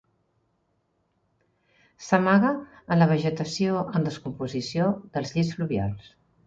S'amaga en la vegetació en descomposició dels llits fluvials.